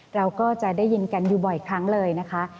เราก็จะได้ยินกันอยู่บ่อยครั้งเลยนะคะ